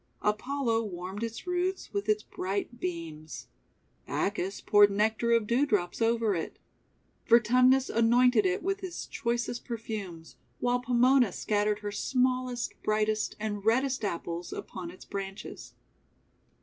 Apollo warmed its roots with his bright beams. Bacchus poured nectar of dew drops over it. Vertumnus anointed it with his choicest perfumes, while Pomona scattered her smallest, brightest, and reddest Apples upon its branches.